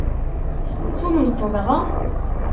Tumneḍ-t dɣa?